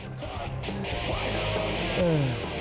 เดี๋ยวดูจากภาพช้าครับ